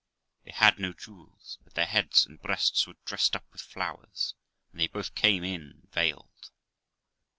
They had no jewels, but their heads and breasts were dressed up with flowers, and they both came in veiled.